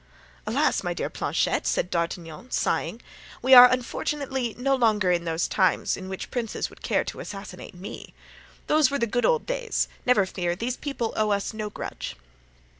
"Alas! my dear Planchet," said D'Artagnan, sighing, "we are unfortunately no longer in those times in which princes would care to assassinate me. Those were good old days; never fear—these people owe us no grudge."